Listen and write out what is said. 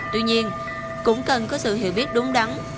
tuy nhiên cũng cần có sự hiểu biết đúng đắn